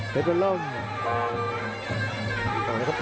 เผ็ดบนร่ม